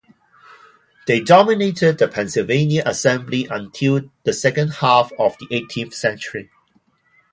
They dominated the Pennsylvania Assembly until the second half of the eighteenth century.